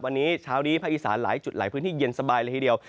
วันนี้เช้านี้ภาคอีสานหลายจุดหลายพื้นที่เย็นสบายเลยทีเดียว